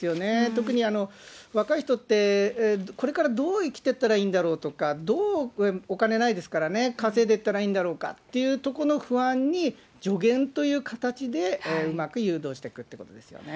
特に若い人ってこれからどう生きてったらいいんだろうとか、どう、お金ないですからね、稼いでいったらいいんだろうかというところの不安に助言という形でうまく誘導していくってことですよね。